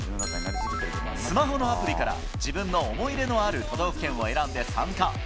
スマホのアプリから、自分の思い入れのある都道府県を選んで参加。